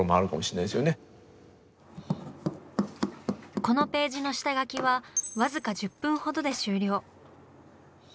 このページの下描きはわずか１０分ほどで終了。